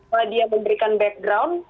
maka dia memberikan background